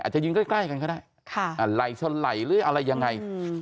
อาจจะยืนใกล้กันก็ได้อะไรสลัยหรืออะไรยังไง